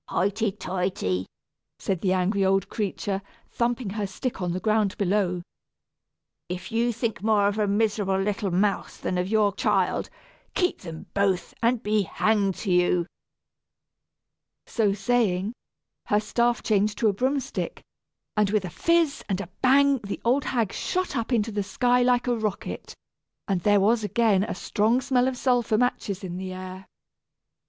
"Hoity toity!" said the angry old creature, thumping her stick on the ground below. "If you think more of a miserable little mouse than of your child, keep them both, and be hanged to you!" So saying, her staff changed to a broom stick, and with a fizz and a bang the old hag shot up into the sky like a rocket. And there was again a strong smell of sulphur matches in the air!